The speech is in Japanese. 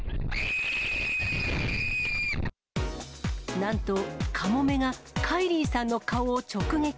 なんと、カモメがカイリーさんの顔を直撃。